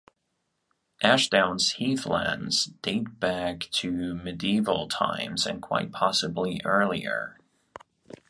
Ashdown's heathlands date back to medieval times, and quite possibly earlier.